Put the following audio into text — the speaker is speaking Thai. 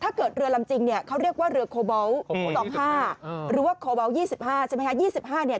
ถ้าเกิดเรือลำจิงเขาเรียกว่าเรือโคเบาท์๒๕หรือว่าโคเบาท์๒๕ใช่ไหมคะ